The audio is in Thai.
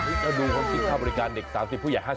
อันดูของสินทราบบริการเด็กตาวที่ผู้ใหญ่๕๐